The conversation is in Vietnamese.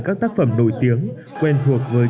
các tác phẩm nổi tiếng quen thuộc với